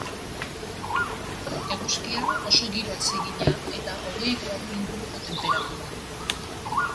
Eguzkia, oso giro atsegina, eta hogei gradu inguruko tenperatura.